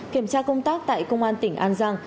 kiểm tra công tác tại công an tỉnh an giang